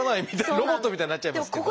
ロボットみたいになっちゃいますけど。